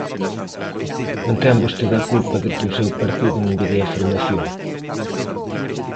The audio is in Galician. Non ten vostede a culpa de que o seu partido non lle dea formación.